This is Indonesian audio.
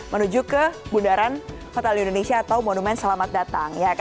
menuju ke bundaran hotel indonesia atau monumen selamat datang